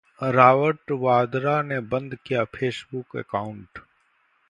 Robert Vadra ने बंद किया फेसबुक अकाउंट